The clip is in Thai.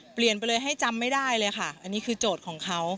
เปลี่ยนไปเลยให้จำไม่ได้เลยค่ะอันนี้คือโจทย์ของเขา